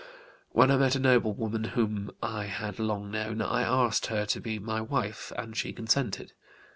When I met a noble woman whom I had long known I asked her to be my wife and she consented.